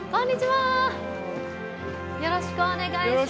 よろしくお願いします。